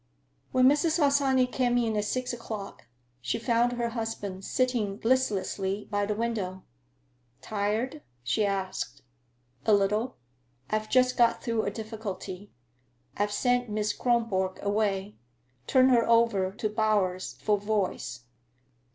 When Mrs. Harsanyi came in at six o'clock, she found her husband sitting listlessly by the window. "Tired?" she asked. "A little. I've just got through a difficulty. I've sent Miss Kronborg away; turned her over to Bowers, for voice."